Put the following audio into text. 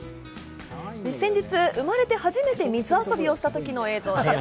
先日、生まれて初めて水遊びをしたときの映像です。